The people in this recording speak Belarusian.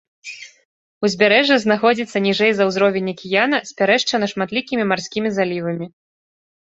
Узбярэжжа знаходзіцца ніжэй за ўзровень акіяна, спярэшчана шматлікімі марскімі залівамі.